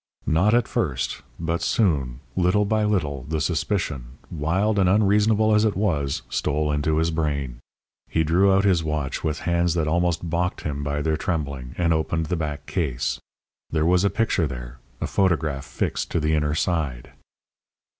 Not at first, but soon, little by little, the suspicion, wild and unreasonable as it was, stole into his brain. He drew out his watch with hands that almost balked him by their trembling, and opened the back case. There was a picture there a photograph fixed to the inner side.